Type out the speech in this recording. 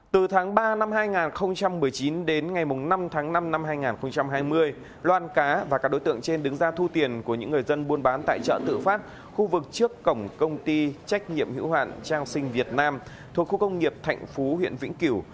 từ tháng ba năm hai nghìn một mươi chín đến ngày năm tháng năm năm hai nghìn hai mươi loan cá và các đối tượng trên đứng ra thu tiền của những người dân buôn bán tại chợ tự phát khu vực trước cổng công ty trách nhiệm hữu hạn trang sinh việt nam thuộc khu công nghiệp thạnh phú huyện vĩnh kiểu